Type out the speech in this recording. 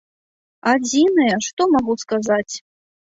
Адзінае, што магу сказаць?